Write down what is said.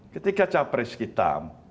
ketika capres kita